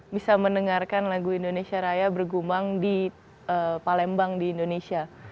bisa mendengarkan lagu indonesia raya bergumang di palembang di indonesia